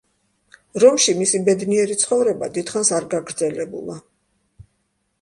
რომში მისი ბედნიერი ცხოვრება დიდხანს არ გაგრძელებულა.